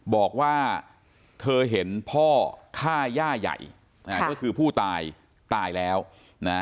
บอกว่าเธอเห็นพ่อฆ่าย่ายคือผู้ตายตายแล้วนะ